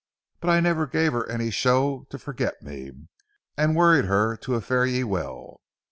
But I never gave her any show to forget me, and worried her to a fare ye well.